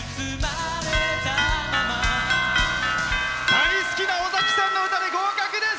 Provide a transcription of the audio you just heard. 大好きな尾崎さんの歌で合格です！